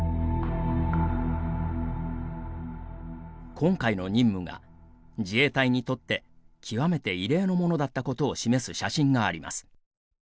今回の任務が自衛隊にとって極めて異例のものだったことを示す写真があります。